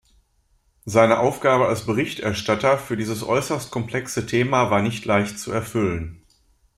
Seine Aufgabe als Berichterstatter für dieses äußerst komplexe Thema war nicht leicht zu erfüllen.